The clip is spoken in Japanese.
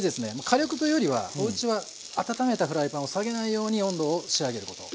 火力というよりはおうちは温めたフライパンを下げないように温度を仕上げること。